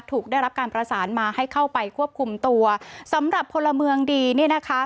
ได้รับการประสานมาให้เข้าไปควบคุมตัวสำหรับพลเมืองดีเนี่ยนะคะ